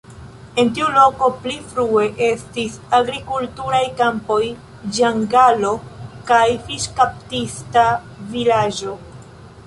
En tiu loko pli frue estis agrikulturaj kampoj, ĝangalo kaj fiŝkaptista vilaĝo.